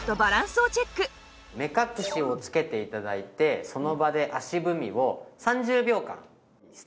目隠しをつけて頂いてその場で足踏みを３０秒間。